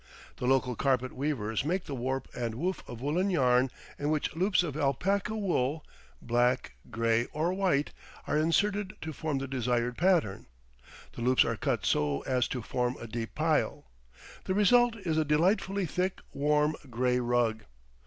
The local carpet weavers make the warp and woof of woolen yarn in which loops of alpaca wool, black, gray, or white, are inserted to form the desired pattern. The loops are cut so as to form a deep pile. The result is a delightfully thick, warm, gray rug.